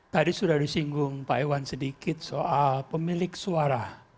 tadi sudah disinggung pak iwan sedikit soal pemilik suara